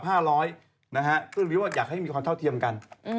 เพื่อรู้ว่าอยากให้มีความเท่าเทียมกัน